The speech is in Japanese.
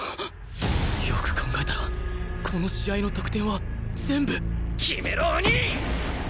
よく考えたらこの試合の得点は全部決めろお兄！